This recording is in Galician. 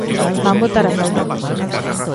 ¿Van votar a favor?